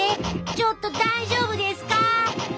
ちょっと大丈夫ですか？